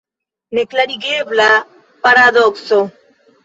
Neklarigebla paradokso!